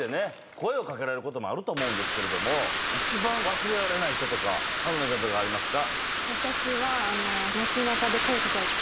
声をかけられることもあると思うんですけれども一番忘れられない人とか春奈ちゃんとかありますか？